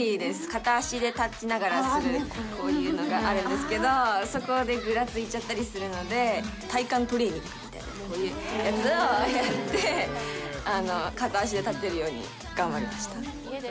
片足で立ちながらする、こういうのがあるんですけど、そこで、ぐらついちゃったりするので、体幹トレーニングみたいな、こういうやつをやって、片足で立てるように頑張りました。